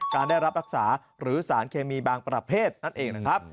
การได้รับรักษาหรือสารเคมีบางประเภทนั่นเองนะครับ